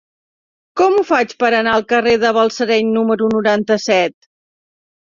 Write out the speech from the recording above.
Com ho faig per anar al carrer de Balsareny número noranta-set?